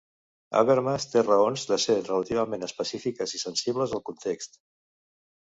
Habermas té raons de ser relativament específiques i sensibles al context.